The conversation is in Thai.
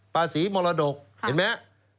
ภาษีมรดกเห็นมั้ย